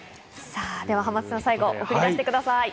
さぁでは濱津さん、最後、送り出してください。